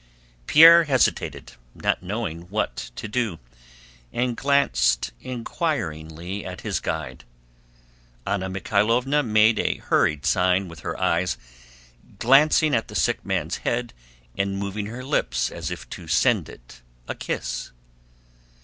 Pierre hesitated, not knowing what to do, and glanced inquiringly at his guide. Anna Mikháylovna made a hurried sign with her eyes, glancing at the sick man's hand and moving her lips as if to send it a kiss.